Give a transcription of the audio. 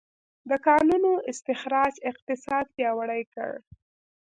د کانونو استخراج اقتصاد پیاوړی کړ.